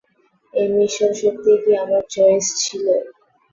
এই মিশন সত্যিই কি আমার চয়েজ ছিল?